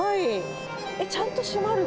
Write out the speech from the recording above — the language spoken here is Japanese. ちゃんとしまる？